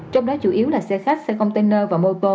trong đó chủ yếu là xe khách xe container và mô tô